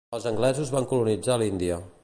Els anglesos van colonitzar l'Índia.